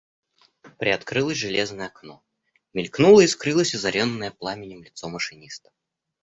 Приоткрылось железное окно, мелькнуло и скрылось озаренное пламенем лицо машиниста.